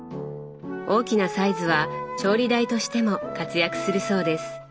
大きなサイズは調理台としても活躍するそうです。